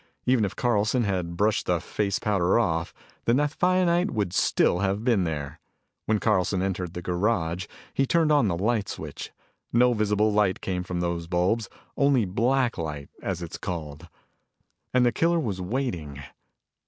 Even if Carlson had brushed the face powder off, the naphthionate would still have been there. When Carlson entered the garage, he turned on the light switch. No visible light came from those bulbs only "black light" as it is called. And the killer was waiting.